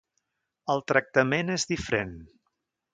El tractament és diferent.